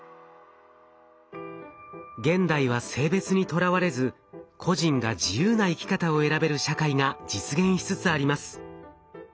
現代は性別にとらわれず個人が自由な生き方を選べる社会が実現しつつあります。